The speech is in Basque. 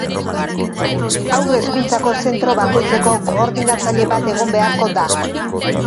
Haur hezkuntzako zentro bakoitzeko koordinatzaile bat egon beharko da.